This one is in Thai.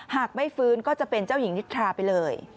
หากไม่ฟื้นก็จะเป็นเจ้าหญิงนิทราไปเลย